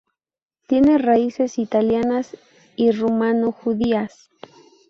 Tiene raíces italianas y rumano-judías.